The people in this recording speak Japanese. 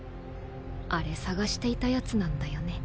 あれ探していたやつなんだよね。